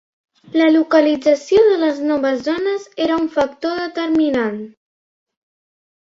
La localització de les noves zones era un factor determinant.